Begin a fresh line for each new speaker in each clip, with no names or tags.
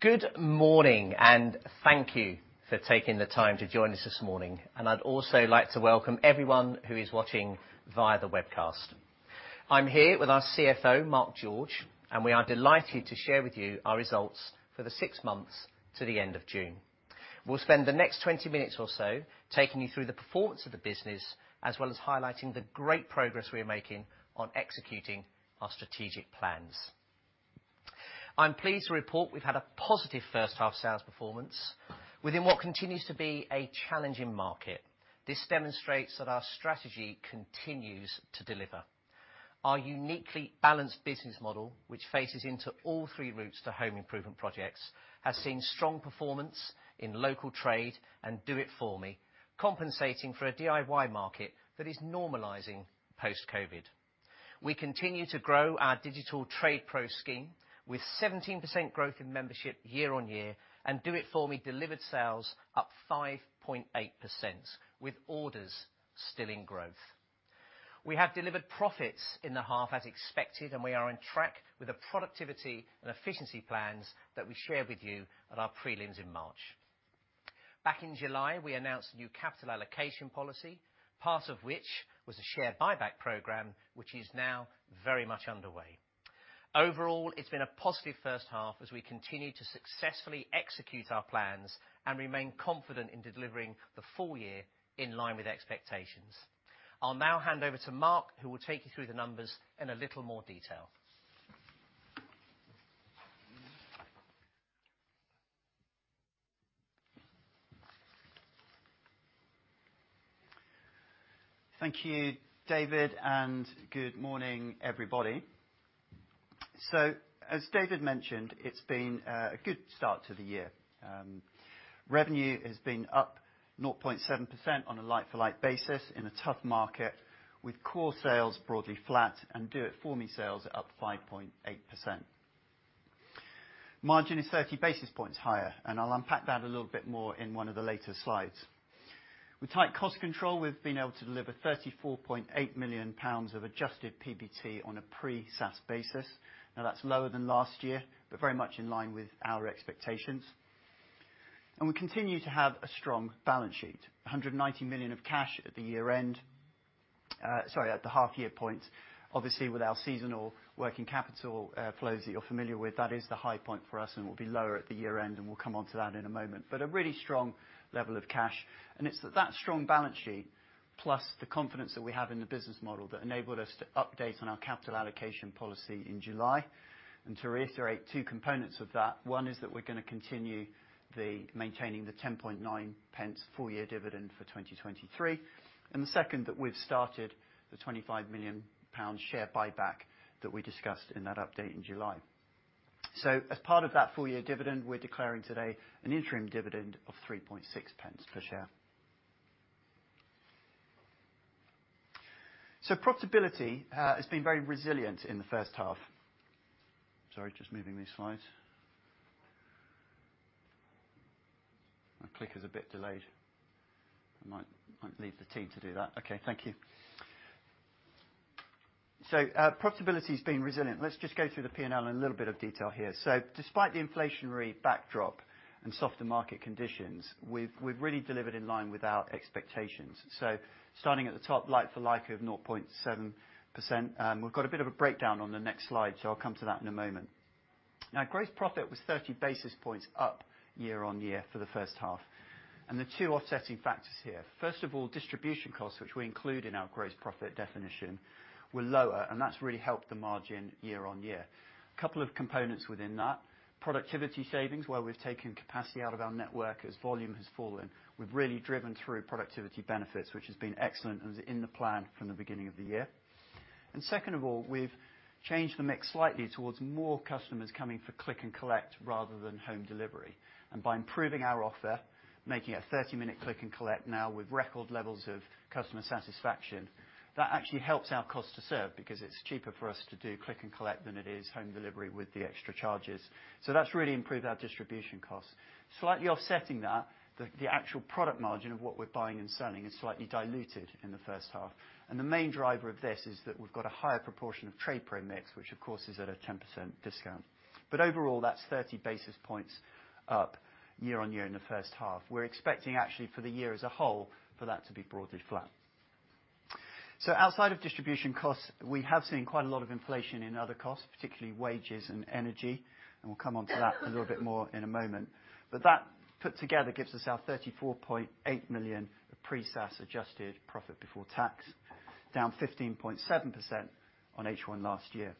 Good morning, and thank you for taking the time to join us this morning, and I'd also like to welcome everyone who is watching via the webcast. I'm here with our CFO, Mark George, and we are delighted to share with you our results for the six months to the end of June. We'll spend the next 20 minutes or so taking you through the performance of the business, as well as highlighting the great progress we are making on executing our strategic plans. I'm pleased to report we've had a positive first half sales performance within what continues to be a challenging market. This demonstrates that our strategy continues to deliver. Our uniquely balanced business model, which faces into all three routes to home improvement projects, has seen strong performance in Local Trade and Do It For Me, compensating for a DIY market that is normalizing post-COVID. We continue to grow our digital TradePro scheme, with 17% growth in membership year-on-year, and Do It For Me delivered sales up 5.8%, with orders still in growth. We have delivered profits in the half as expected, and we are on track with the productivity and efficiency plans that we shared with you at our prelims in March. Back in July, we announced a new capital allocation policy, part of which was a share buyback program, which is now very much underway. Overall, it's been a positive first half as we continue to successfully execute our plans and remain confident in delivering the full year in line with expectations. I'll now hand over to Mark, who will take you through the numbers in a little more detail.
Thank you, David, and good morning, everybody. So, as David mentioned, it's been a good start to the year. Revenue has been up 0.7% on a like-for-like basis in a tough market, with Core sales broadly flat and Do It For Me sales up 5.8%. Margin is 30 basis points higher, and I'll unpack that a little bit more in one of the later slides. With tight cost control, we've been able to deliver 34.8 million pounds of adjusted PBT on a pre-SaaS basis. Now, that's lower than last year, but very much in line with our expectations. And we continue to have a strong balance sheet, 190 million of cash at the year end, at the half-year point. Obviously, with our seasonal working capital, flows that you're familiar with, that is the high point for us and will be lower at the year end, and we'll come onto that in a moment. But a really strong level of cash, and it's that strong balance sheet plus the confidence that we have in the business model that enabled us to update on our capital allocation policy in July. And to reiterate two components of that, one is that we're going to continue the, maintaining the 0.109 full-year dividend for 2023, and the second, that we've started the 25 million pounds share buyback that we discussed in that update in July. So as part of that full-year dividend, we're declaring today an interim dividend of 0.036 per share. So profitability, has been very resilient in the first half. Sorry, just moving these slides. My click is a bit delayed. I might leave the team to do that. Okay, thank you. So profitability has been resilient. Let's just go through the P&L in a little bit of detail here. So despite the inflationary backdrop and softer market conditions, we've really delivered in line with our expectations. So starting at the top, like-for-like of 0.7%, we've got a bit of a breakdown on the next slide, so I'll come to that in a moment. Now, gross profit was 30 basis points up year-on-year for the first half, and there are two offsetting factors here. First of all, distribution costs, which we include in our gross profit definition, were lower, and that's really helped the margin year-on-year. A couple of components within that, productivity savings, where we've taken capacity out of our network as volume has fallen. We've really driven through productivity benefits, which has been excellent and in the plan from the beginning of the year. And second of all, we've changed the mix slightly towards more customers coming for Click & Collect rather than home delivery. And by improving our offer, making it a 30-minute Click & Collect now with record levels of customer satisfaction, that actually helps our cost to serve, because it's cheaper for us to do Click & Collect than it is home delivery with the extra charges. So that's really improved our distribution costs. Slightly offsetting that, the actual product margin of what we're buying and selling is slightly diluted in the first half, and the main driver of this is that we've got a higher proportion of TradePro mix, which of course is at a 10% discount. But overall, that's 30 basis points up year-on-year in the first half. We're expecting actually for the year as a whole, for that to be broadly flat. So outside of distribution costs, we have seen quite a lot of inflation in other costs, particularly wages and energy, and we'll come on to that a little bit more in a moment. But that, put together, gives us our 34.8 million pre-SaaS adjusted profit before tax, down 15.7% on H1 last year.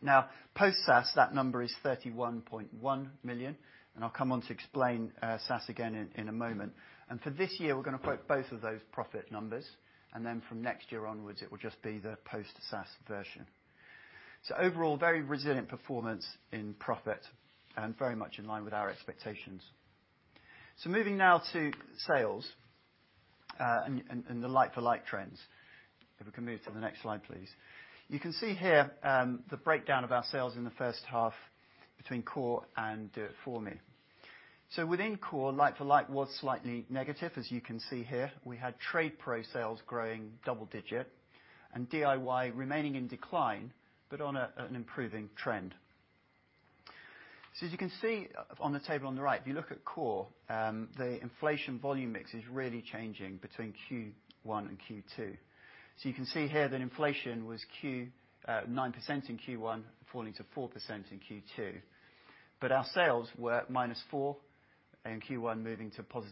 Now, post-SaaS, that number is 31.1 million, and I'll come on to explain SaaS again in a moment. For this year, we're going to quote both of those profit numbers, and then from next year onwards, it will just be the post-SaaS version. Overall, very resilient performance in profit and very much in line with our expectations. Moving now to sales and the like-for-like trends. If we can move to the next slide, please. You can see here the breakdown of our sales in the first half between Core and Do It For Me. So within Core, like-for-like was slightly negative, as you can see here. We had TradePro sales growing double digit and DIY remaining in decline, but on an improving trend. So as you can see on the table on the right, if you look at Core, the inflation volume mix is really changing between Q1 and Q2. So you can see here that inflation was 9% in Q1, falling to 4% in Q2, but our sales were -4 in Q1, moving to +2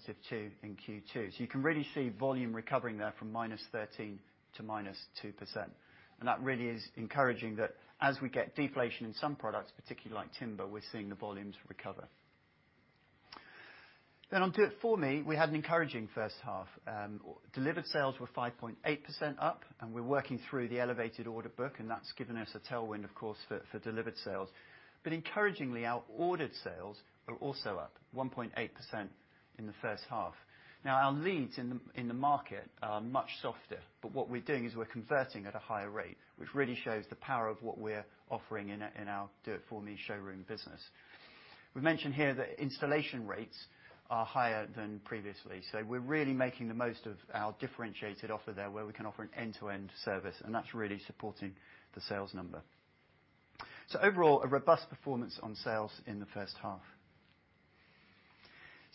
in Q2. So you can really see volume recovering there from -13% to -2%. And that really is encouraging that as we get deflation in some products, particularly like timber, we're seeing the volumes recover. Then on Do It For Me, we had an encouraging first half. Delivered sales were 5.8% up, and we're working through the elevated order book, and that's given us a tailwind, of course, for delivered sales. But encouragingly, our ordered sales are also up 1.8% in the first half. Now, our leads in the, in the market are much softer, but what we're doing is we're converting at a higher rate, which really shows the power of what we're offering in our, in our Do It For Me showroom business. We've mentioned here that installation rates are higher than previously, so we're really making the most of our differentiated offer there, where we can offer an end-to-end service, and that's really supporting the sales number. So overall, a robust performance on sales in the first half.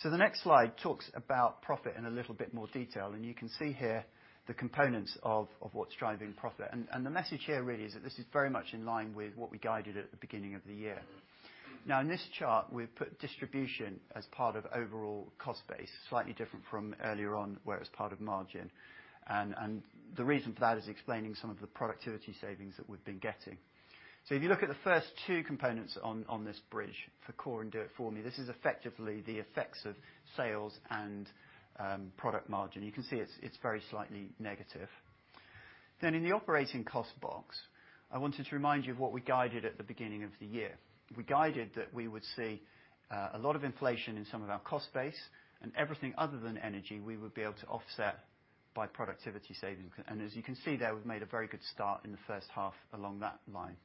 So the next slide talks about profit in a little bit more detail, and you can see here the components of, of what's driving profit. The message here really is that this is very much in line with what we guided at the beginning of the year. Now, in this chart, we've put distribution as part of overall cost base, slightly different from earlier on, where it was part of margin. The reason for that is explaining some of the productivity savings that we've been getting. So if you look at the first two components on this bridge for Core and Do It For Me, this is effectively the effects of sales and product margin. You can see it's very slightly negative. Then in the operating cost box, I wanted to remind you of what we guided at the beginning of the year. We guided that we would see a lot of inflation in some of our cost base, and everything other than energy, we would be able to offset by productivity savings. As you can see there, we've made a very good start in the first half along that line.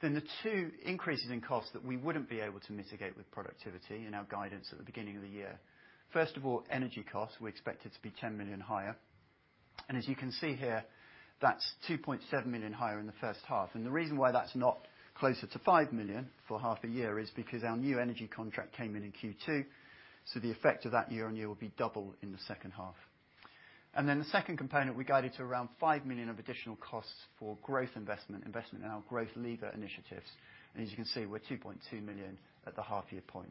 Then the two increases in costs that we wouldn't be able to mitigate with productivity in our guidance at the beginning of the year. First of all, energy costs, we expect it to be 10 million higher. And as you can see here, that's 2.7 million higher in the first half. And the reason why that's not closer to 5 million for half a year is because our new energy contract came in in Q2, so the effect of that year-on-year will be double in the second half. Then the second component, we guided to around 5 million of additional costs for growth investment, investment in our growth lever initiatives. As you can see, we're 2.2 million at the half-year point,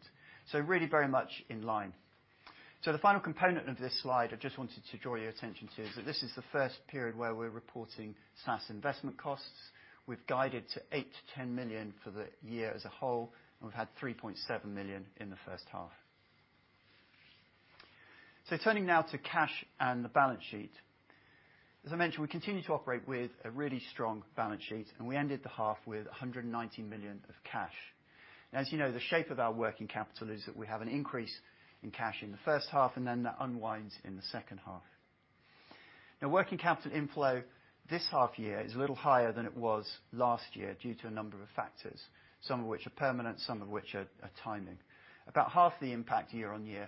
so really very much in line. The final component of this slide, I just wanted to draw your attention to, is that this is the first period where we're reporting SaaS investment costs. We've guided to 8 million-10 million for the year as a whole, and we've had 3.7 million in the first half. Turning now to cash and the balance sheet. As I mentioned, we continue to operate with a really strong balance sheet, and we ended the half with 190 million of cash. As you know, the shape of our working capital is that we have an increase in cash in the first half, and then that unwinds in the second half. Now, working capital inflow this half-year is a little higher than it was last year due to a number of factors, some of which are permanent, some of which are timing. About half the impact year-on-year,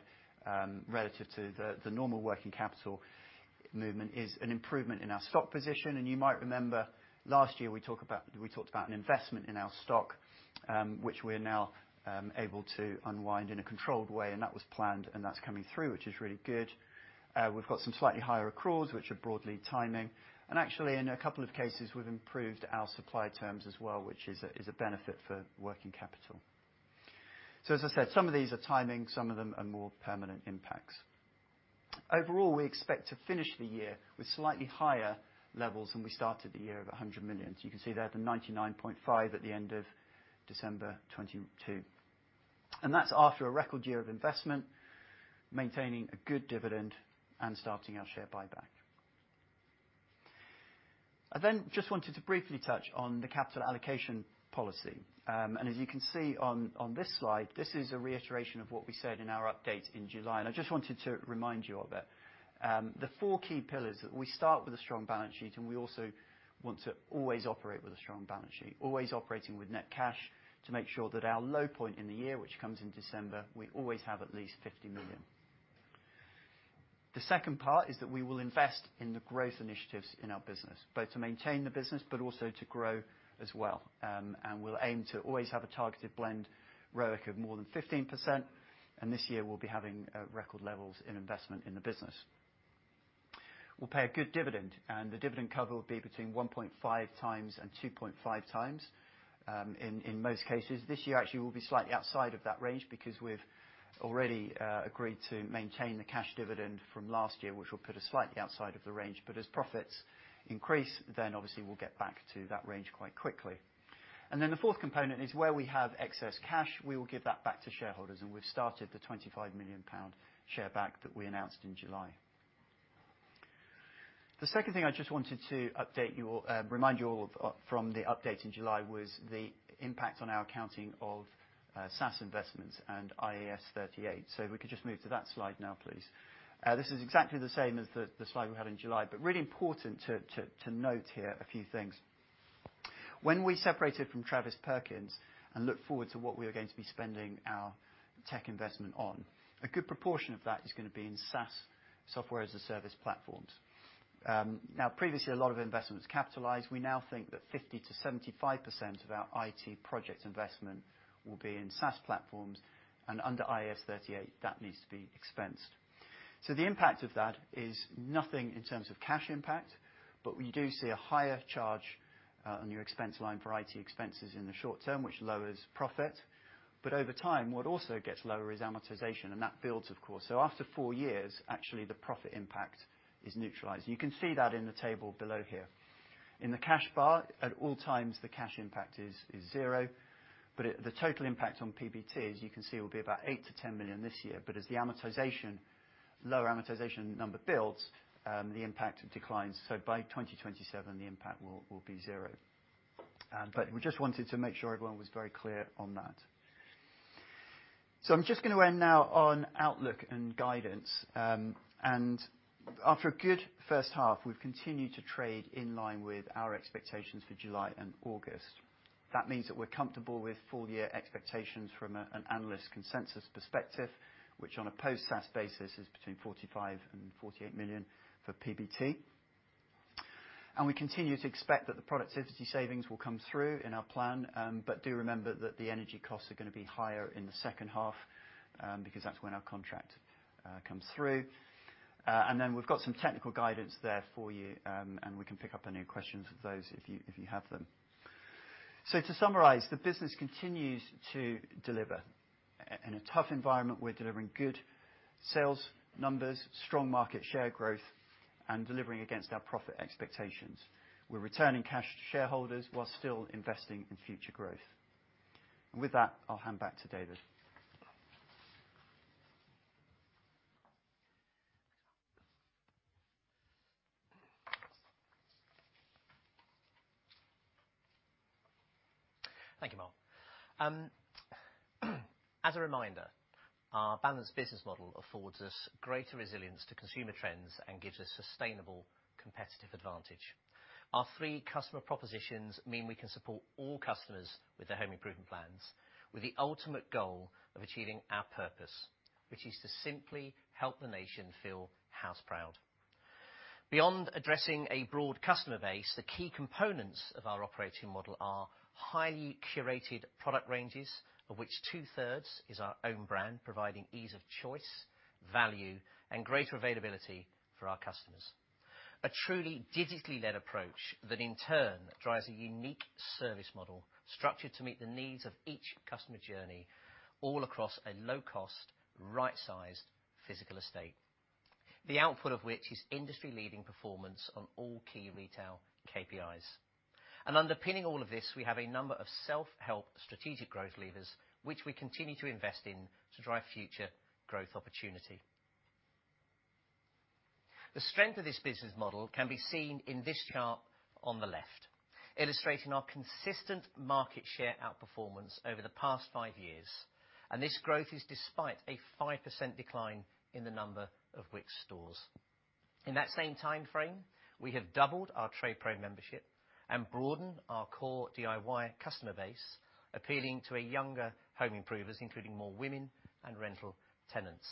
relative to the normal working capital movement, is an improvement in our stock position. And you might remember last year, we talked about an investment in our stock, which we are now able to unwind in a controlled way, and that was planned, and that's coming through, which is really good. We've got some slightly higher accruals, which are broadly timing. And actually, in a couple of cases, we've improved our supply terms as well, which is a benefit for working capital. So as I said, some of these are timing, some of them are more permanent impacts. Overall, we expect to finish the year with slightly higher levels than we started the year of 100 million. So you can see there the 99.5 million at the end of December 2022. And that's after a record year of investment, maintaining a good dividend, and starting our share buyback. I then just wanted to briefly touch on the capital allocation policy. And as you can see on this slide, this is a reiteration of what we said in our update in July, and I just wanted to remind you of it. The four key pillars is that we start with a strong balance sheet, and we also want to always operate with a strong balance sheet, always operating with net cash to make sure that our low point in the year, which comes in December, we always have at least 50 million. The second part is that we will invest in the growth initiatives in our business, both to maintain the business but also to grow as well. And we'll aim to always have a targeted blend ROIC of more than 15%, and this year, we'll be having record levels in investment in the business. We'll pay a good dividend, and the dividend cover will be between 1.5x and 2.5x, in most cases. This year actually, we'll be slightly outside of that range because we've already agreed to maintain the cash dividend from last year, which will put us slightly outside of the range. But as profits increase, then obviously we'll get back to that range quite quickly. And then the fourth component is, where we have excess cash, we will give that back to shareholders, and we've started the 25 million pound share buyback that we announced in July. The second thing I just wanted to update you all, remind you all of from the update in July, was the impact on our accounting of, SaaS investments and IAS 38. So if we could just move to that slide now, please. This is exactly the same as the slide we had in July, but really important to note here a few things. When we separated from Travis Perkins and looked forward to what we were going to be spending our tech investment on, a good proportion of that is going to be in SaaS, Software as a Service platforms. Now, previously, a lot of investment was capitalized. We now think that 50%-75% of our IT project investment will be in SaaS platforms, and under IAS 38, that needs to be expensed. So the impact of that is nothing in terms of cash impact, but we do see a higher charge on your expense line for IT expenses in the short term, which lowers profit. But over time, what also gets lower is amortization, and that builds, of course. So after four years, actually, the profit impact is neutralized. You can see that in the table below here. In the cash bar, at all times, the cash impact is zero, but it, the total impact on PBT, as you can see, will be about 8 million-10 million this year, but as the amortization, lower amortization number builds, the impact declines, so by 2027, the impact will be zero. But we just wanted to make sure everyone was very clear on that. So I'm just going to end now on outlook and guidance, and after a good first half, we've continued to trade in line with our expectations for July and August. That means that we're comfortable with full year expectations from an analyst consensus perspective, which on a post-SaaS basis is between 45 million and 48 million for PBT. We continue to expect that the productivity savings will come through in our plan, but do remember that the energy costs are going to be higher in the second half, because that's when our contract comes through. And then we've got some technical guidance there for you, and we can pick up any questions of those if you, if you have them. So to summarize, the business continues to deliver. In a tough environment, we're delivering good sales numbers, strong market share growth, and delivering against our profit expectations. We're returning cash to shareholders while still investing in future growth. And with that, I'll hand back to David.
Thank you, Mark. As a reminder, our balanced business model affords us greater resilience to consumer trends and gives us sustainable competitive advantage. Our three customer propositions mean we can support all customers with their home improvement plans, with the ultimate goal of achieving our purpose, which is to simply help the nation feel house-proud. Beyond addressing a broad customer base, the key components of our operating model are highly curated product ranges, of which 2/3 is our own brand, providing ease of choice, value, and greater availability for our customers. A truly digitally led approach that in turn drives a unique service model structured to meet the needs of each customer journey, all across a low-cost, right-sized physical estate, the output of which is industry-leading performance on all key retail KPIs. Underpinning all of this, we have a number of self-help strategic growth levers, which we continue to invest in to drive future growth opportunity. The strength of this business model can be seen in this chart on the left, illustrating our consistent market share outperformance over the past five years, and this growth is despite a 5% decline in the number of Wickes stores. In that same time frame, we have doubled our TradePro membership and broadened our Core DIY customer base, appealing to younger home improvers, including more women and rental tenants.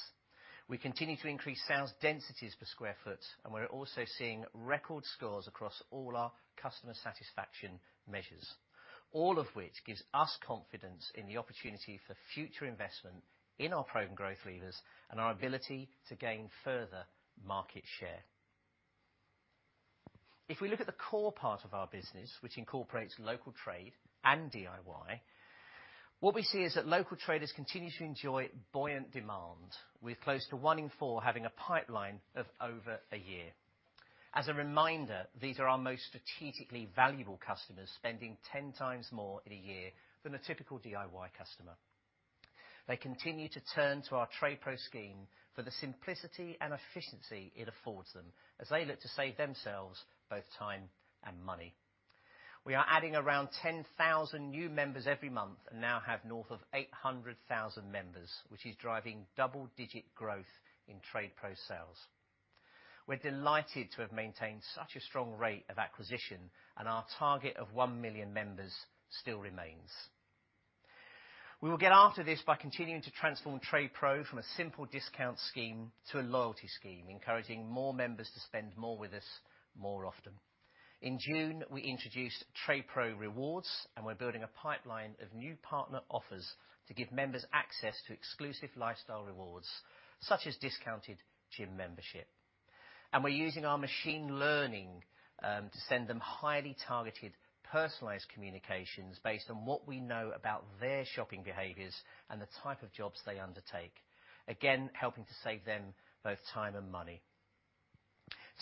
We continue to increase sales densities per square foot, and we're also seeing record scores across all our customer satisfaction measures, all of which gives us confidence in the opportunity for future investment in our pro-growth levers and our ability to gain further market share. If we look at the Core part of our business, which incorporates Local Trade and DIY, what we see is that local traders continue to enjoy buoyant demand, with close to 1/4 having a pipeline of over a year. As a reminder, these are our most strategically valuable customers, spending 10x more in a year than a typical DIY customer. They continue to turn to our TradePro scheme for the simplicity and efficiency it affords them, as they look to save themselves both time and money. We are adding around 10,000 new members every month and now have north of 800,000 members, which is driving double-digit growth in TradePro sales. We're delighted to have maintained such a strong rate of acquisition, and our target of 1 million members still remains. We will get after this by continuing to transform TradePro from a simple discount scheme to a loyalty scheme, encouraging more members to spend more with us more often. In June, we introduced TradePro Rewards, and we're building a pipeline of new partner offers to give members access to exclusive lifestyle rewards, such as discounted gym membership. And we're using our machine learning to send them highly targeted, personalized communications based on what we know about their shopping behaviors and the type of jobs they undertake, again, helping to save them both time and money.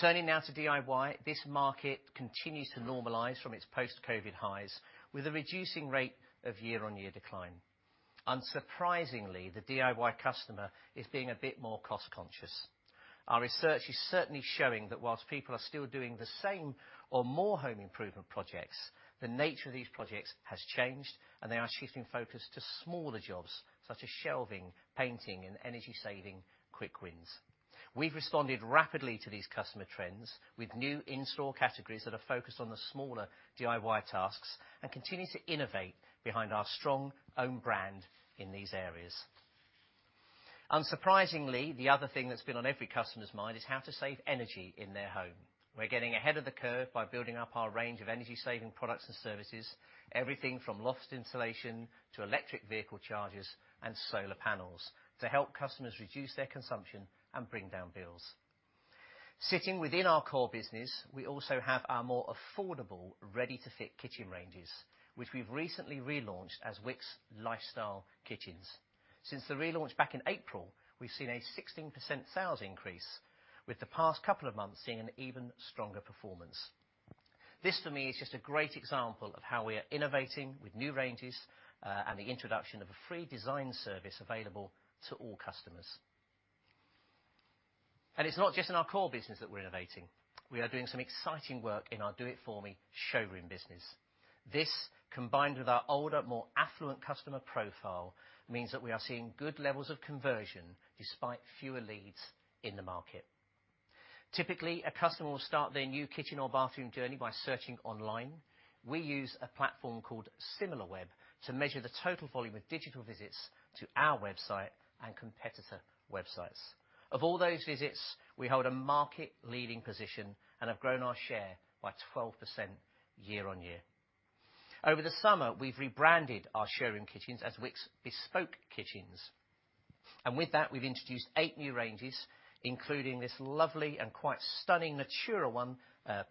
Turning now to DIY, this market continues to normalize from its post-COVID highs, with a reducing rate of year-on-year decline. Unsurprisingly, the DIY customer is being a bit more cost conscious. Our research is certainly showing that while people are still doing the same or more home improvement projects, the nature of these projects has changed, and they are shifting focus to smaller jobs, such as shelving, painting, and energy-saving quick wins. We've responded rapidly to these customer trends with new in-store categories that are focused on the smaller DIY tasks and continue to innovate behind our strong own brand in these areas. Unsurprisingly, the other thing that's been on every customer's mind is how to save energy in their home. We're getting ahead of the curve by building up our range of energy-saving products and services, everything from loft insulation to electric vehicle chargers and solar panels, to help customers reduce their consumption and bring down bills. Sitting within our Core business, we also have our more affordable, ready-to-fit kitchen ranges, which we've recently relaunched as Wickes Lifestyle Kitchens. Since the relaunch back in April, we've seen a 16% sales increase, with the past couple of months seeing an even stronger performance. This, for me, is just a great example of how we are innovating with new ranges and the introduction of a free design service available to all customers. And it's not just in our Core business that we're innovating. We are doing some exciting work in our Do It For Me showroom business. This, combined with our older, more affluent customer profile, means that we are seeing good levels of conversion despite fewer leads in the market. Typically, a customer will start their new kitchen or bathroom journey by searching online. We use a platform called Similarweb to measure the total volume of digital visits to our website and competitor websites. Of all those visits, we hold a market-leading position and have grown our share by 12% year-on-year. Over the summer, we've rebranded our showroom kitchens as Wickes Bespoke Kitchens, and with that, we've introduced eight new ranges, including this lovely and quite stunning Natura one,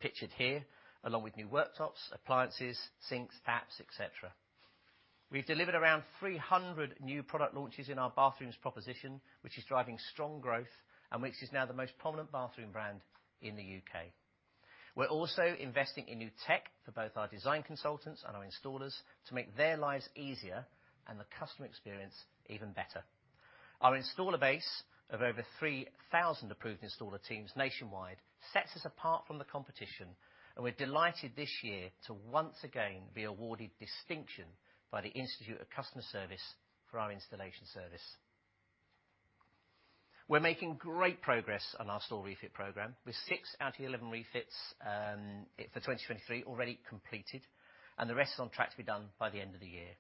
pictured here, along with new worktops, appliances, sinks, taps, et cetera. We've delivered around 300 new product launches in our bathrooms proposition, which is driving strong growth, and Wickes is now the most prominent bathroom brand in the U.K. We're also investing in new tech for both our design consultants and our installers to make their lives easier and the customer experience even better. Our installer base of over 3,000 approved installer teams nationwide sets us apart from the competition, and we're delighted this year to once again be awarded Distinction by the Institute of Customer Service for our installation service. We're making great progress on our store refit program, with six out of the 11 refits for 2023 already completed, and the rest is on track to be done by the end of the year.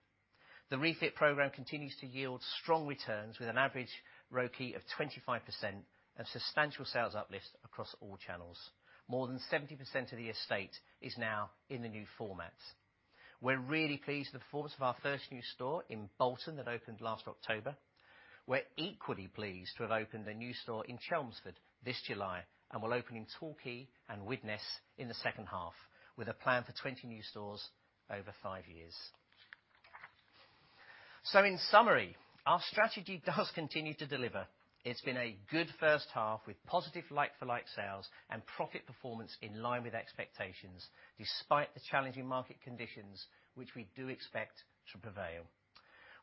The refit program continues to yield strong returns, with an average ROCE of 25% and substantial sales uplifts across all channels. More than 70% of the estate is now in the new formats. We're really pleased with the performance of our first new store in Bolton that opened last October. We're equally pleased to have opened a new store in Chelmsford this July, and we'll open in Torquay and Widnes in the second half, with a plan for 20 new stores over five years. So in summary, our strategy does continue to deliver. It's been a good first half, with positive like-for-like sales and profit performance in line with expectations, despite the challenging market conditions, which we do expect to prevail.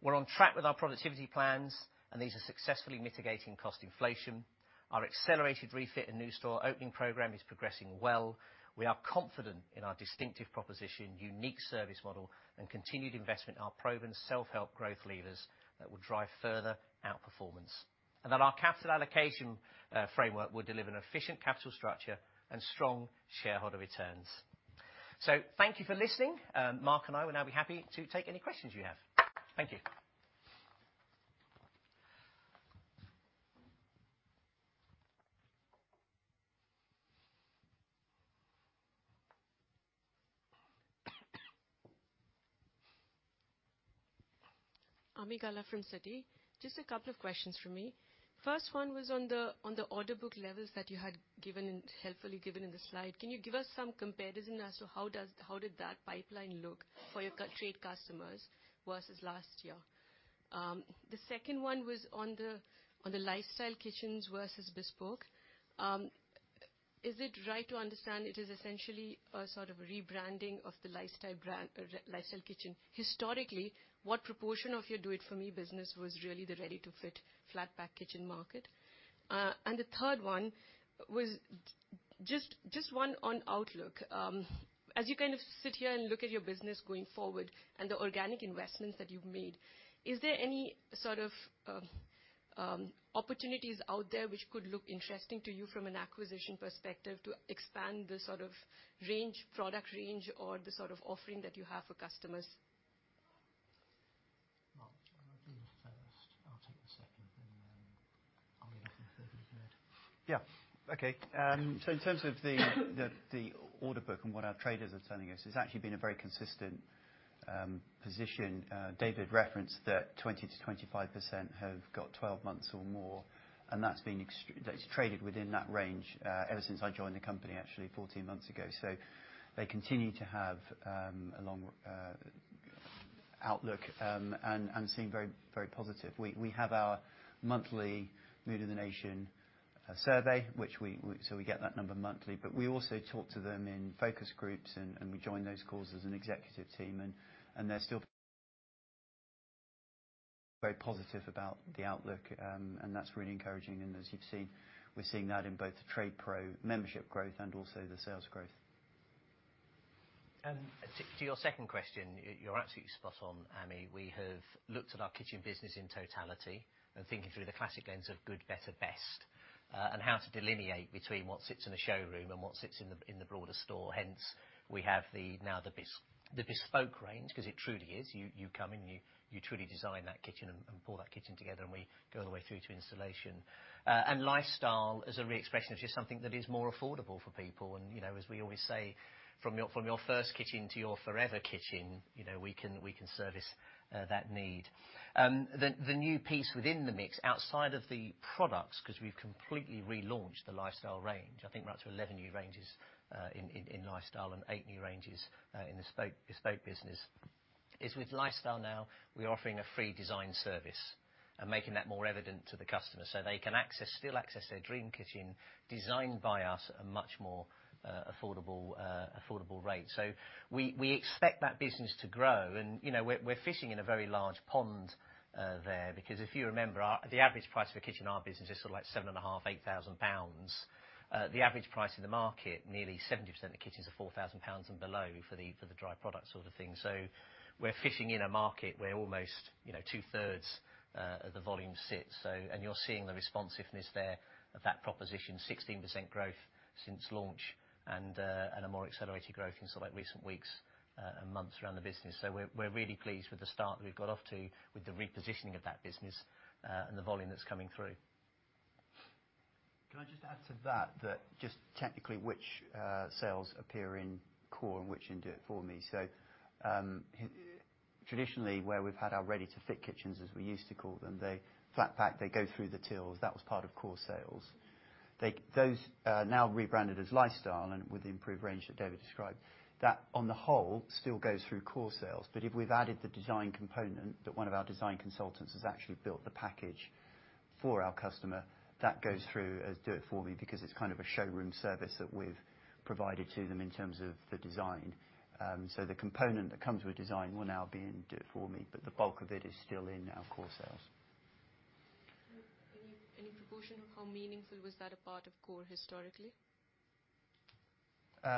We're on track with our productivity plans, and these are successfully mitigating cost inflation. Our accelerated refit and new store opening program is progressing well. We are confident in our distinctive proposition, unique service model, and continued investment in our proven self-help growth levers that will drive further outperformance, and that our capital allocation framework will deliver an efficient capital structure and strong shareholder returns. So thank you for listening. Mark and I will now be happy to take any questions you have. Thank you.
Ami Galla from Citi. Just a couple of questions from me. First one was on the, on the order book levels that you had given in, helpfully given in the slide. Can you give us some comparison as to how does, how did that pipeline look for your trade customers versus last year? The second one was on the, on the Lifestyle kitchens versus Bespoke. Is it right to understand it is essentially a sort of rebranding of the Lifestyle brand, or Lifestyle kitchen? Historically, what proportion of your Do It For Me business was really the ready-to-fit flat pack kitchen market? And the third one was just, just one on outlook. As you kind of sit here and look at your business going forward and the organic investments that you've made, is there any sort of opportunities out there which could look interesting to you from an acquisition perspective to expand the sort of range, product range, or the sort of offering that you have for customers?
Mark, do you want to do the first? I'll take the second, and then I'll get the third one.
Yeah. Okay. So in terms of the, the, the order book and what our traders are telling us, it's actually been a very consistent position. David referenced that 20%-25% have got 12 months or more, and that's been that's traded within that range, ever since I joined the company, actually, 14 months ago. So they continue to have a long outlook, and seem very, very positive. We have our monthly Mood of the Nation survey, which we-- so we get that number monthly, but we also talk to them in focus groups, and we join those calls as an executive team, and they're still very positive about the outlook, and that's really encouraging. And as you've seen, we're seeing that in both the TradePro membership growth and also the sales growth.
To your second question, you're absolutely spot on, Ami. We have looked at our kitchen business in totality and thinking through the classic lens of good, better, best, and how to delineate between what sits in a showroom and what sits in the broader store. Hence, we have now the Bespoke range, because it truly is. You come in, you truly design that kitchen and pull that kitchen together, and we go all the way through to installation. And Lifestyle as a reexpression of just something that is more affordable for people. And, you know, as we always say, from your first kitchen to your forever kitchen, you know, we can service that need. The new piece within the mix, outside of the products, 'cause we've completely relaunched the Lifestyle range. I think we're up to 11 new ranges in Lifestyle and eight new ranges in the Bespoke business. With Lifestyle now, we're offering a free design service and making that more evident to the customer so they can still access their dream kitchen, designed by us, at a much more affordable rate. So we expect that business to grow, and, you know, we're fishing in a very large pond there, because if you remember, the average price of a kitchen in our business is sort of like 7,500-8,000 pounds. The average price in the market, nearly 70% of the kitchens are 4,000 pounds and below for the, for the dry product sort of thing. So we're fishing in a market where almost, you know, 2/3 of the volume sits. And you're seeing the responsiveness there of that proposition, 16% growth since launch and, and a more accelerated growth in sort of like recent weeks, and months around the business. So we're really pleased with the start that we've got off to with the repositioning of that business, and the volume that's coming through.
Can I just add to that, that just technically, which sales appear in Core and which in Do It For Me? So, traditionally, where we've had our ready-to-fit kitchens, as we used to call them, they flat pack, they go through the tills. That was part of Core sales. They, those are now rebranded as Lifestyle, and with the improved range that David described, that, on the whole, still goes through Core sales. But if we've added the design component, that one of our design consultants has actually built the package for our customer, that goes through as Do It For Me, because it's kind of a showroom service that we've provided to them in terms of the design. So the component that comes with design will now be in Do It For Me, but the bulk of it is still in our Core sales.
And any proportion of how meaningful was that as a part of Core historically?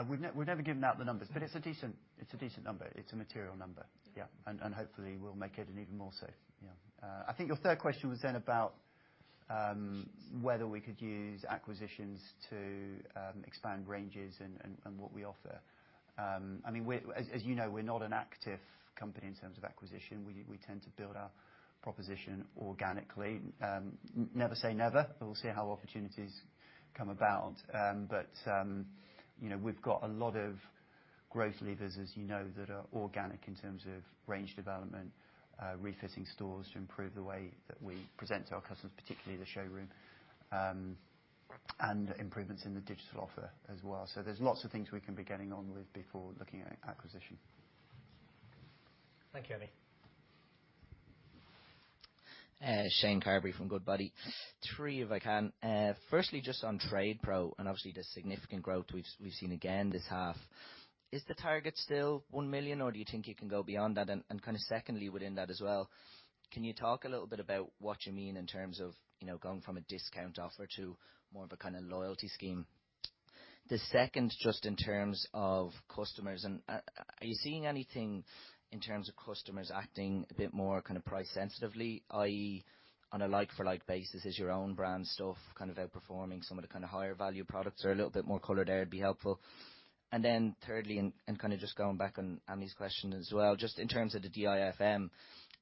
We've never given out the numbers, but it's a decent, it's a decent number. It's a material number. Yeah, and hopefully, we'll make it an even more so, yeah. I think your third question was then about whether we could use acquisitions to expand ranges and what we offer. I mean, as you know, we're not an active company in terms of acquisition. We tend to build our proposition organically. Never say never, but we'll see how opportunities come about. But you know, we've got a lot of growth levers, as you know, that are organic in terms of range development, refitting stores to improve the way that we present to our customers, particularly the showroom, and improvements in the digital offer as well. So there's lots of things we can be getting on with before looking at acquisition.
Thank you, Ami.
Shane Sheridan from Goodbody. Three, if I can. Firstly, just on TradePro and obviously the significant growth we've seen again this half, is the target still 1 million, or do you think you can go beyond that? And kind of secondly, within that as well, can you talk a little bit about what you mean in terms of, you know, going from a discount offer to more of a kind of loyalty scheme? The second, just in terms of customers and, are you seeing anything in terms of customers acting a bit more kind of price sensitively, i.e., on a like-for-like basis, is your own brand stuff kind of outperforming some of the kind of higher value products? Or a little bit more color there would be helpful. And then thirdly, and kind of just going back on Ami's question as well, just in terms of the DIFM,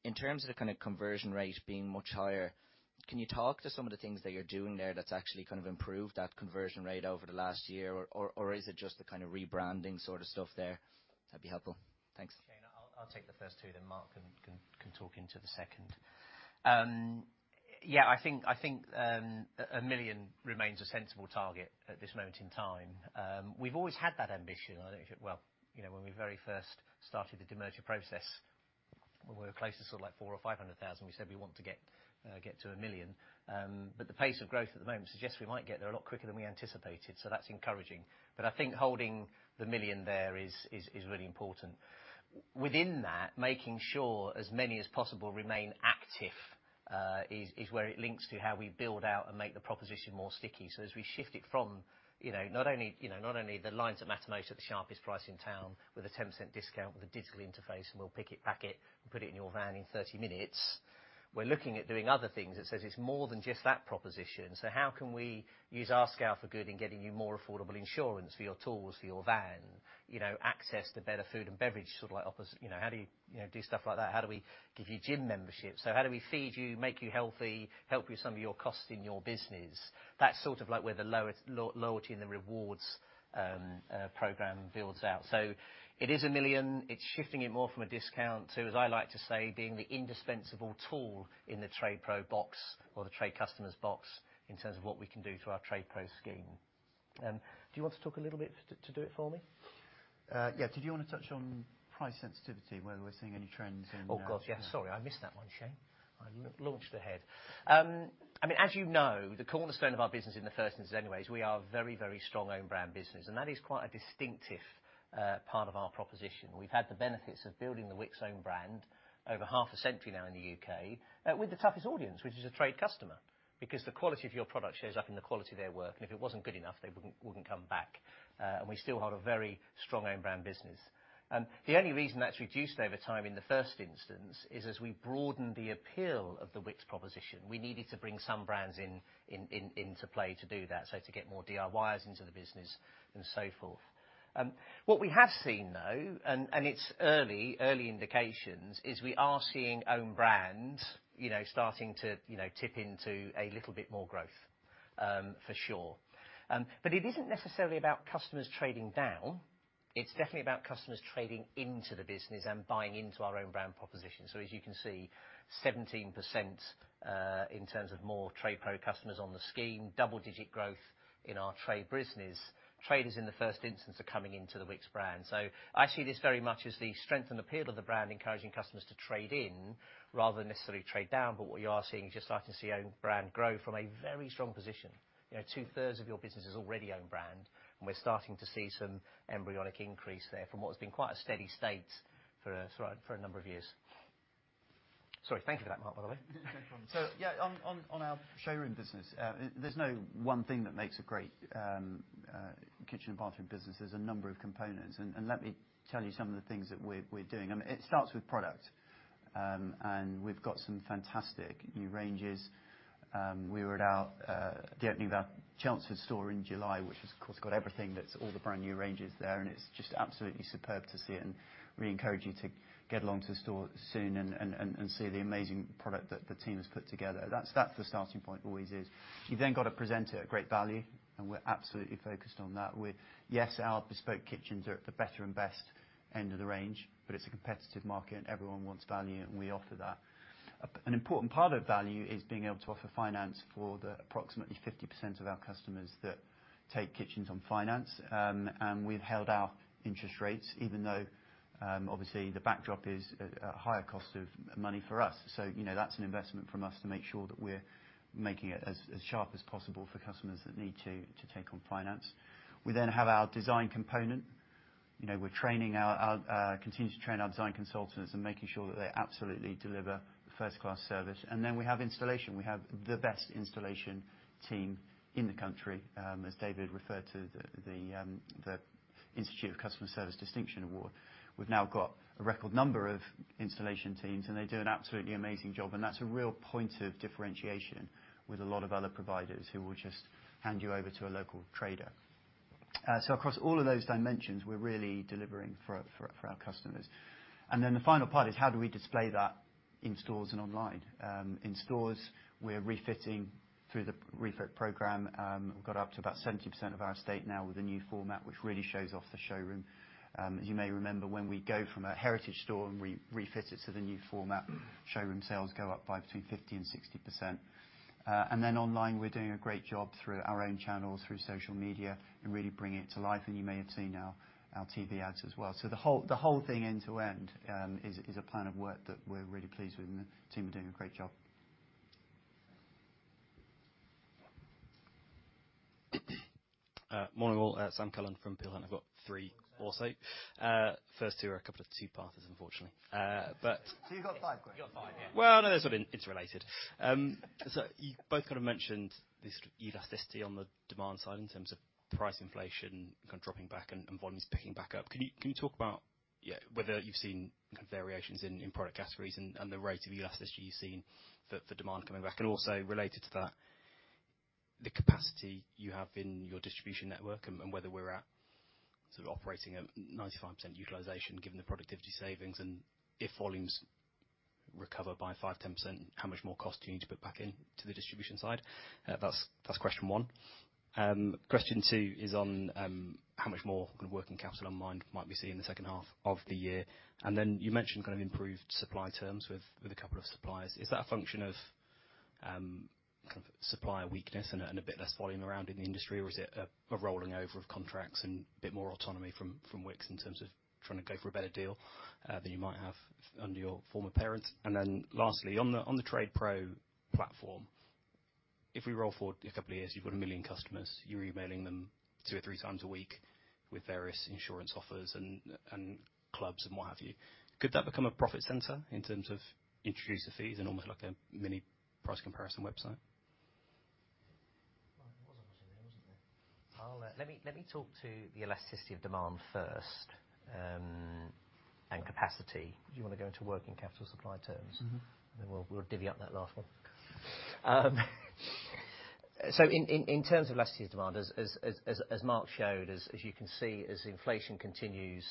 in terms of the kind of conversion rate being much higher, can you talk to some of the things that you're doing there that's actually kind of improved that conversion rate over the last year? Or is it just the kind of rebranding sort of stuff there? That'd be helpful. Thanks.
Shane, I'll take the first two, then Mark can talk into the second. Yeah, I think a million remains a sensible target at this moment in time. We've always had that ambition. Well, you know, when we very first started the demerger process, when we were close to sort of like 400,000 or 500,000, we said we want to get to 1 million. But the pace of growth at the moment suggests we might get there a lot quicker than we anticipated, so that's encouraging. But I think holding the 1 million there is really important. Within that, making sure as many as possible remain active is where it links to how we build out and make the proposition more sticky. So as we shift it from, you know, not only, you know, not only the lines that matter most at the sharpest price in town, with a 10% discount, with a digital interface, and we'll pick it, pack it, and put it in your van in 30 minutes, we're looking at doing other things that says it's more than just that proposition. So how can we use our scale for good in getting you more affordable insurance for your tools, for your van? You know, access to better food and beverage, sort of like oppo- you know, how do you, you know, do stuff like that? How do we give you gym memberships? So how do we feed you, make you healthy, help you with some of your costs in your business? That's sort of like where the loyalty and the rewards program builds out. So it is 1 million. It's shifting it more from a discount to, as I like to say, being the indispensable tool in the TradePro box or the trade customer's box in terms of what we can do through our TradePro scheme. Do you want to talk a little bit to Do It For Me?
Yeah. Did you want to touch on price sensitivity, whether we're seeing any trends in-
Oh, God, yeah. Sorry, I missed that one, Shane. I mean, as you know, the cornerstone of our business, in the first instance anyways, we are a very, very strong own brand business, and that is quite a distinctive part of our proposition. We've had the benefits of building the Wickes own brand over half a century now in the U.K., with the toughest audience, which is a trade customer, because the quality of your product shows up in the quality of their work, and if it wasn't good enough, they wouldn't come back. And we still hold a very strong own brand business. The only reason that's reduced over time in the first instance is as we broadened the appeal of the Wickes proposition, we needed to bring some brands in into play to do that, so to get more DIYers into the business and so forth. What we have seen, though, and it's early indications, is we are seeing own brands, you know, starting to, you know, tip into a little bit more growth, for sure. But it isn't necessarily about customers trading down, it's definitely about customers trading into the business and buying into our own brand proposition. So as you can see, 17% in terms of more TradePro customers on the scheme, double-digit growth in our trade business. Traders, in the first instance, are coming into the Wickes brand. So I see this very much as the strength and appeal of the brand, encouraging customers to trade in rather than necessarily trade down. But what you are seeing, you're starting to see own brand grow from a very strong position. You know, 2/3 of your business is already own brand, and we're starting to see some embryonic increase there from what has been quite a steady state for a number of years. Sorry, thank you for that, Mark, by the way.
No problem. So yeah, on our showroom business, there's no one thing that makes a great kitchen and bathroom business. There's a number of components, and let me tell you some of the things that we're doing. It starts with product, and we've got some fantastic new ranges. We were at the opening of our Chelmsford store in July, which has, of course, got everything that's all the brand new ranges there, and it's just absolutely superb to see it. And we encourage you to get along to the store soon and see the amazing product that the team has put together. That's the starting point always is. You've then got to present it at great value, and we're absolutely focused on that. Yes, our Bespoke Kitchens are at the better and best end of the range, but it's a competitive market, everyone wants value, and we offer that. An important part of value is being able to offer finance for the approximately 50% of our customers that take kitchens on finance. And we've held our interest rates, even though, obviously, the backdrop is a higher cost of money for us. So, you know, that's an investment from us to make sure that we're making it as sharp as possible for customers that need to take on finance. We then have our design component. You know, we're training our continue to train our design consultants and making sure that they absolutely deliver first-class service. And then we have installation. We have the best installation team in the country, as David referred to the Institute of Customer Service Distinction Award. We've now got a record number of installation teams, and they do an absolutely amazing job, and that's a real point of differentiation with a lot of other providers who will just hand you over to a local trader. So across all of those dimensions, we're really delivering for, for, for our customers. And then the final part is: how do we display that in stores and online? In stores, we're refitting through the Refit program. We've got up to about 70% of our estate now with a new format, which really shows off the showroom. As you may remember, when we go from a heritage store and refit it to the new format, showroom sales go up by between 50% and 60%. And then online, we're doing a great job through our own channels, through social media, and really bringing it to life, and you may have seen our TV ads as well. So the whole thing end to end is a plan of work that we're really pleased with, and the team are doing a great job.
Morning, all. Sam Cullen from Peel Hunt. I've got three also. First two are a couple of two-parters, unfortunately, but-
You've got five questions.
You've got five, yeah.
Well, no, it's sort of, it's related. So you both kind of mentioned this elasticity on the demand side in terms of price inflation, kind of dropping back and volumes picking back up. Can you talk about, yeah, whether you've seen variations in product categories and the rate of elasticity you've seen for demand coming back? And also related to that, the capacity you have in your distribution network and whether we're sort of operating at 95% utilization, given the productivity savings, and if volumes recover by 5%-10%, how much more cost do you need to put back in to the distribution side? That's question one. Question two is on how much more kind of working capital unwind might we see in the second half of the year? Then you mentioned kind of improved supply terms with, with a couple of suppliers. Is that a function of, kind of supplier weakness and a, and a bit less volume around in the industry, or is it a, a rolling over of contracts and a bit more autonomy from, from Wickes in terms of trying to go for a better deal, than you might have under your former parents? And then lastly, on the, on the TradePro platform, if we roll forward a couple of years, you've got 1 million customers, you're emailing them two or three times a week with various insurance offers and, and clubs and what have you. Could that become a profit center in terms of introducer fees and almost like a mini price comparison website?
Well, it was an opportunity, wasn't it? Let me talk to the elasticity of demand first, and capacity. Do you want to go into working capital supply terms?
Mm-hmm.
And then we'll divvy up that last one. So in terms of elasticity of demand, as Mark showed, as you can see, as inflation continues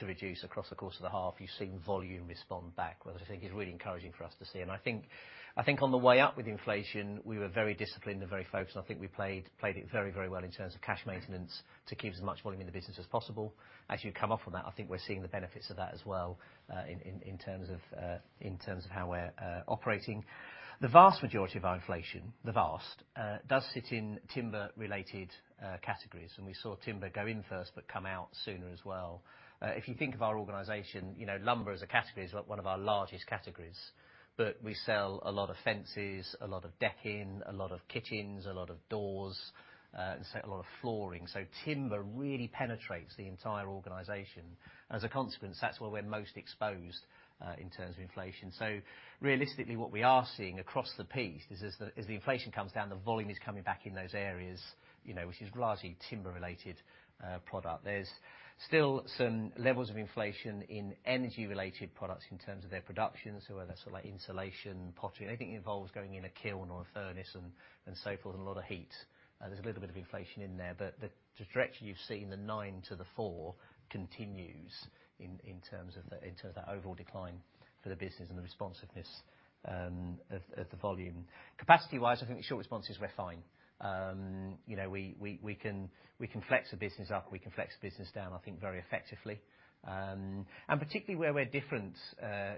to reduce across the course of the half, you've seen volume respond back, which I think is really encouraging for us to see. And I think on the way up with inflation, we were very disciplined and very focused, and I think we played it very well in terms of cash maintenance to keep as much volume in the business as possible. As you come off from that, I think we're seeing the benefits of that as well in terms of how we're operating. The vast majority of our inflation does sit in timber-related categories, and we saw timber go in first, but come out sooner as well. If you think of our organization, you know, lumber as a category is one of our largest categories, but we sell a lot of fences, a lot of decking, a lot of kitchens, a lot of doors, and sell a lot of flooring. So timber really penetrates the entire organization. As a consequence, that's where we're most exposed in terms of inflation. So realistically, what we are seeing across the piece is as the inflation comes down, the volume is coming back in those areas, you know, which is largely timber-related product. There's still some levels of inflation in energy-related products in terms of their production, so whether that's sort of like insulation, pottery, anything that involves going in a kiln or a furnace and so forth, and a lot of heat, there's a little bit of inflation in there. But the direction you've seen, the nine to the four, continues in terms of that overall decline for the business and the responsiveness of the volume. Capacity-wise, I think the short response is we're fine. You know, we can flex the business up, we can flex the business down, I think, very effectively. And particularly where we're different,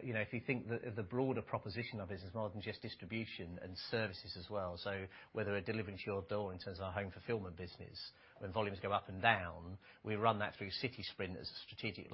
you know, if you think the broader proposition of business, rather than just distribution and services as well, so whether we're delivering to your door in terms of our home fulfillment business, when volumes go up and down, we run that through CitySprint as a strategic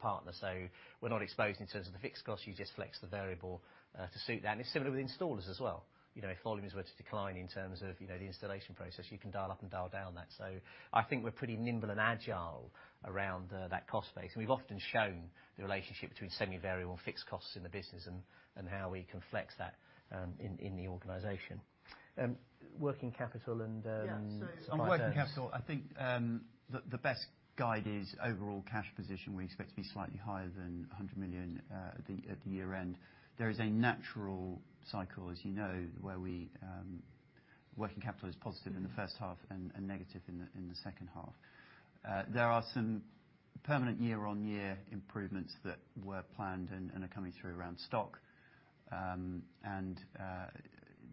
partner. So we're not exposed in terms of the fixed costs. You just flex the variable to suit that. And it's similar with installers as well. You know, if volumes were to decline in terms of, you know, the installation process, you can dial up and dial down that. So I think we're pretty nimble and agile around that cost base. And we've often shown the relationship between semi-variable and fixed costs in the business and how we can flex that in the organization. And working capital and...
Yeah, so on working capital, I think, the best guide is overall cash position. We expect to be slightly higher than 100 million at the year-end. There is a natural cycle, as you know, where we working capital is positive in the first half and negative in the second half. There are some permanent year-on-year improvements that were planned and are coming through around stock. And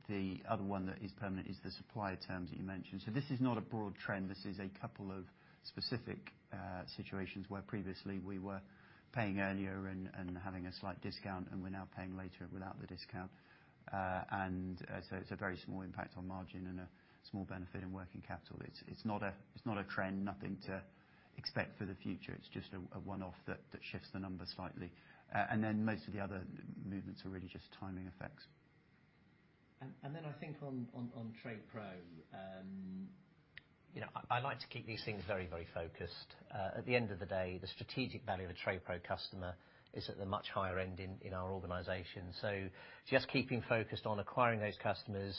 the other one that is permanent is the supplier terms that you mentioned. So this is not a broad trend. This is a couple of specific situations where previously we were paying earlier and having a slight discount, and we're now paying later without the discount. And so it's a very small impact on margin and a small benefit in working capital. It's not a trend, nothing to expect for the future. It's just a one-off that shifts the numbers slightly. And then most of the other movements are really just timing effects.
And then I think on TradePro, you know, I like to keep these things very, very focused. At the end of the day, the strategic value of a TradePro customer is at the much higher end in our organization. So just keeping focused on acquiring those customers,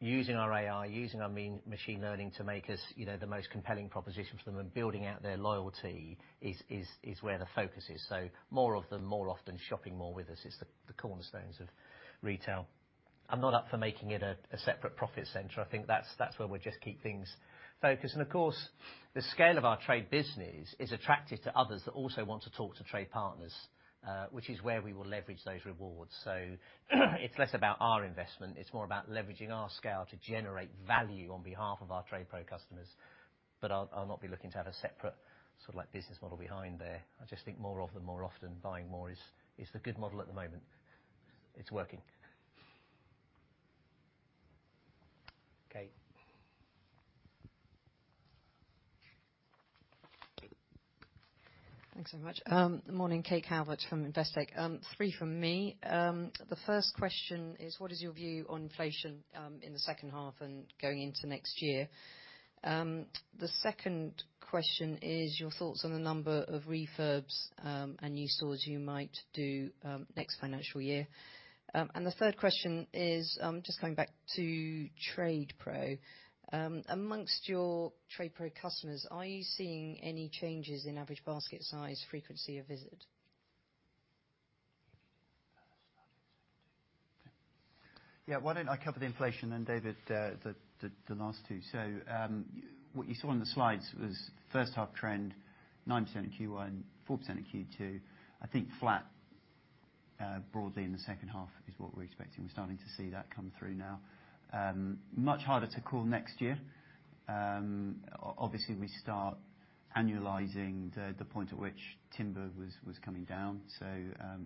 using our AI, using our machine learning to make us, you know, the most compelling proposition for them, and building out their loyalty is where the focus is. So more of them, more often, shopping more with us is the cornerstones of retail. I'm not up for making it a separate profit center. I think that's where we'll just keep things focused. And of course, the scale of our trade business is attractive to others that also want to talk to trade partners, which is where we will leverage those rewards. So it's less about our investment, it's more about leveraging our scale to generate value on behalf of our TradePro customers. But I'll not be looking to have a separate sort of like business model behind there. I just think more of them, more often, buying more is the good model at the moment. It's working. Kate?
Thanks so much. Good morning. Kate Calvert from Investec. Three from me. The first question is, what is your view on inflation, in the second half and going into next year? The second question is your thoughts on the number of refurbs, and new stores you might do, next financial year. And the third question is, just going back to TradePro, amongst your TradePro customers, are you seeing any changes in average basket size, frequency of visit?
Yeah, why don't I cover the inflation, and David, the last two? So, what you saw on the slides was first half trend, 9% in Q1, 4% in Q2. I think flat broadly in the second half is what we're expecting. We're starting to see that come through now. Much harder to call next year. Obviously, we start annualizing the point at which timber was coming down, so,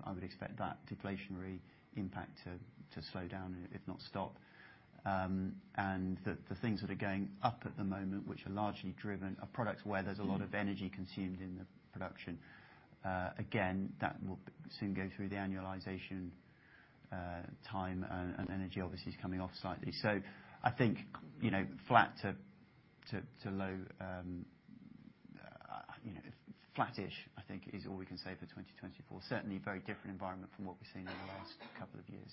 I would expect that deflationary impact to slow down, if not stop. And the things that are going up at the moment, which are largely driven, are products where there's a lot of energy consumed in the production. Again, that will soon go through the annualization time, and energy obviously is coming off slightly. So I think, you know, flat to low, flattish, I think is all we can say for 2024. Certainly, a very different environment from what we've seen in the last couple of years.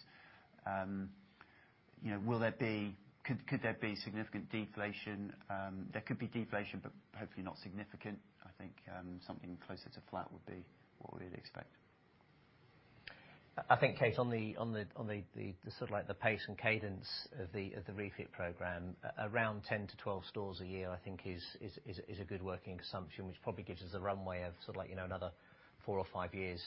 You know, will there be, could there be significant deflation? There could be deflation, but hopefully not significant. I think, something closer to flat would be what we'd expect.
I think, Kate, on the sort of like the pace and cadence of the refit program, around 10-12 stores a year, I think, is a good working assumption, which probably gives us a runway of sort of like, you know, another four or five years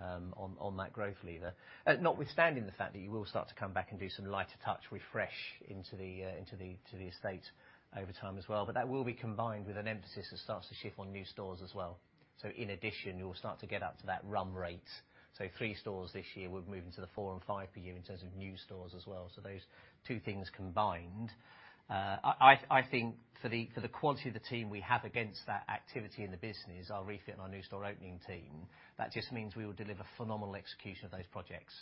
on that growth lever. Notwithstanding the fact that you will start to come back and do some lighter touch refresh into the estate over time as well, but that will be combined with an emphasis that starts to shift on new stores as well. So in addition, you'll start to get up to that run rate. So three stores this year, we're moving to the four and five per year in terms of new stores as well. So those two things combined, I think for the quality of the team we have against that activity in the business, our refit and our new store opening team, that just means we will deliver phenomenal execution of those projects.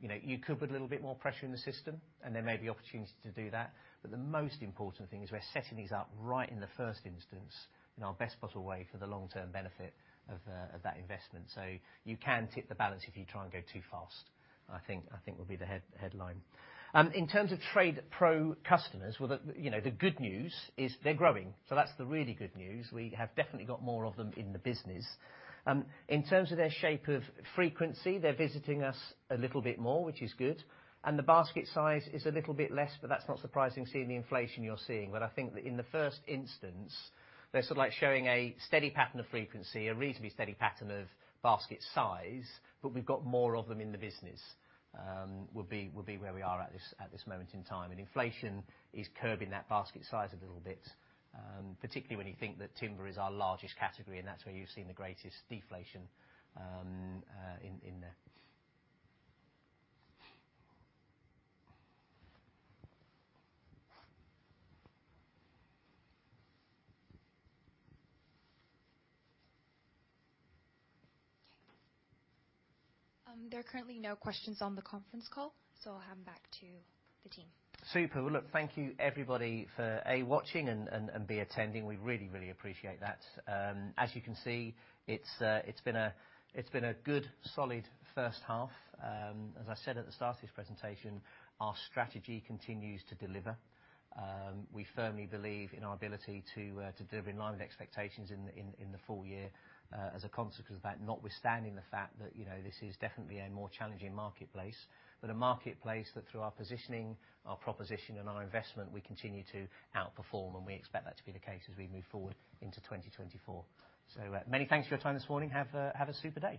You know, you could put a little bit more pressure in the system, and there may be opportunities to do that, but the most important thing is we're setting these up right in the first instance, in our best possible way for the long-term benefit of that investment. So you can tip the balance if you try and go too fast, I think will be the headline. In terms of TradePro customers, well, you know, the good news is they're growing, so that's the really good news. We have definitely got more of them in the business. In terms of their shape of frequency, they're visiting us a little bit more, which is good, and the basket size is a little bit less, but that's not surprising seeing the inflation you're seeing. But I think that in the first instance, they're sort of like showing a steady pattern of frequency, a reasonably steady pattern of basket size, but we've got more of them in the business, would be where we are at this moment in time. And inflation is curbing that basket size a little bit, particularly when you think that timber is our largest category, and that's where you've seen the greatest deflation in there.
There are currently no questions on the conference call, so I'll hand back to the team.
Super. Well, look, thank you everybody for A, watching and B, attending. We really, really appreciate that. As you can see, it's been a good, solid first half. As I said at the start of this presentation, our strategy continues to deliver. We firmly believe in our ability to deliver in line with expectations in the full year. As a consequence of that, notwithstanding the fact that, you know, this is definitely a more challenging marketplace, but a marketplace that through our positioning, our proposition, and our investment, we continue to outperform, and we expect that to be the case as we move forward into 2024. So, many thanks for your time this morning. Have a super day!